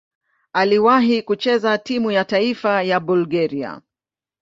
Aliwahi kucheza timu ya taifa ya Bulgaria.